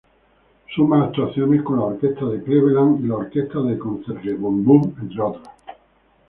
Suma actuaciones con, la Orquesta de Cleveland y la Orquesta del Concertgebouw, entre otras.